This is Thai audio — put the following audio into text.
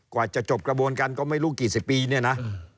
กว่าจะจบกระบวนการก็ไม่รู้กี่สิบปีเนี่ยนะ